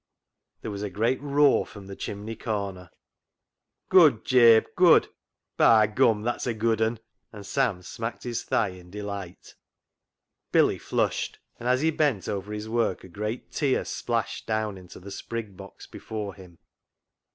There was a great roar from the chimney corner. 3 34 CLOG SHOP CHRONICLES '• Good, Jabe ; good ! By gum, that's a good un," and Sam smacked his thigh in deHght. Billy flushed, and as he bent over his work a great tear splashed down into the sprig box before him.